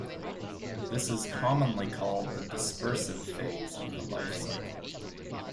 This is commonly called the dispersive phase of the life cycle.